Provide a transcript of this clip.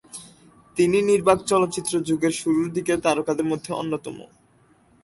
তিনি নির্বাক চলচ্চিত্র যুগের শুরুর দিকের তারকাদের মধ্যে অন্যতম।